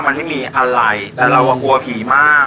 มันไม่มีอะไรแต่เรากลัวผีมาก